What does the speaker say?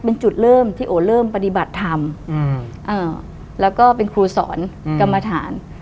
เป็นจุดเริ่มที่โอเริ่มปฏิบัติธรรมแล้วก็เป็นครูสอนกรรมฐาน